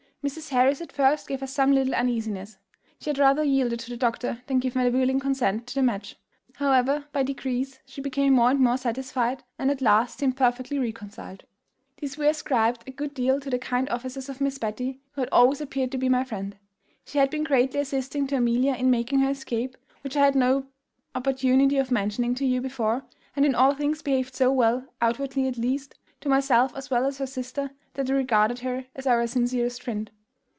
Mrs. Harris at first gave us some little uneasiness. She had rather yielded to the doctor than given a willing consent to the match; however, by degrees, she became more and more satisfied, and at last seemed perfectly reconciled. This we ascribed a good deal to the kind offices of Miss Betty, who had always appeared to be my friend. She had been greatly assisting to Amelia in making her escape, which I had no opportunity of mentioning to you before, and in all things behaved so well, outwardly at least, to myself as well as her sister, that we regarded her as our sincerest friend.